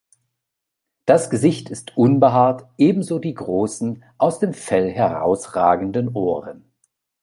Das Gesicht ist unbehaart, ebenso die großen, aus dem Fell herausragenden Ohren.